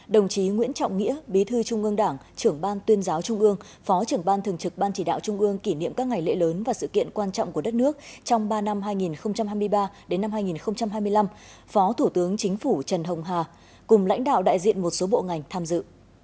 đồng chí nguyễn trọng nghĩa bí thư trung ương đảng trưởng ban tuyên giáo trung ương phó trưởng ban thường trực ban chỉ đạo trung ương kỷ niệm các ngày lễ lớn và sự kiện quan trọng của đất nước trong ba năm hai nghìn hai mươi ba hai nghìn hai mươi năm phó thủ tướng chính phủ trần hồng hà cùng lãnh đạo đại diện một số bộ ngành tham dự